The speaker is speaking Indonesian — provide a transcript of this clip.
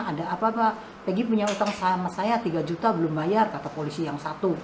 ada apa pak egy punya utang sama saya tiga juta belum bayar kata polisi yang satu